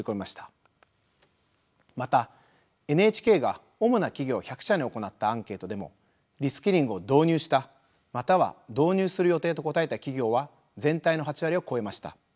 またＮＨＫが主な企業１００社に行ったアンケートでもリスキリングを導入したまたは導入する予定と答えた企業は全体の８割を超えました。